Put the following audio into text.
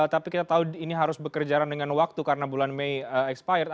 tapi kita tahu ini harus bekerja dengan waktu karena bulan mei expired